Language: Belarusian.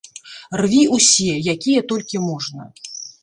Рві ўсе, якія толькі можна.